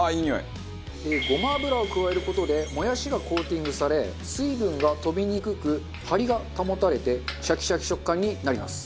ごま油を加える事でもやしがコーティングされ水分が飛びにくく張りが保たれてシャキシャキ食感になります。